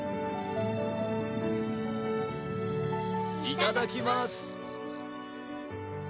いただきます